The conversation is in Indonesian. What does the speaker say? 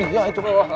iya itu loh